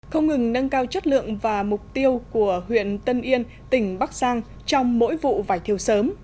không ngừng nâng cao chất lượng và mục tiêu của huyện tân yên tỉnh bắc giang trong mỗi vụ vải thiều sớm